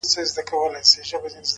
څو؛ د ژوند په دې زوال کي کړې بدل؛